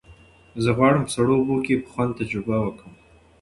زه غواړم په سړو اوبو کې په خوند تجربه وکړم.